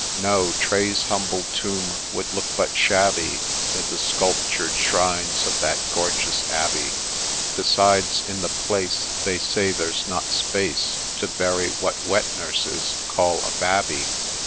No !— Tray's humble tomb would look but shabby 'Mid the sculptured shrines of that gorgeous Abbey. Besides, in the place They say there 's not space To bury what wet nurses call ' a Babby.'